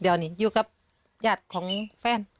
อยู่เยียดของแฟน